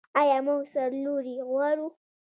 آیا موږ سرلوړي غواړو؟